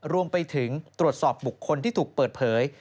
รวมไปถึงตรวจสอบบุคคลที่ถูกเปิดเผย